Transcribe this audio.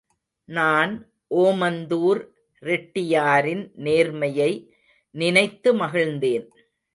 நான் ஓமந்தூர் ரெட்டியாரின் நேர்மையை நினைத்து மகிழ்ந்தேன்.